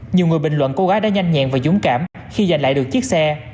nhiều người bình luận cô gái đã nhanh nhẹn và dũng cảm khi giành lại được chiếc xe